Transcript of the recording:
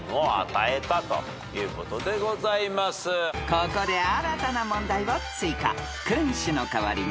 ［ここで新たな問題を追加］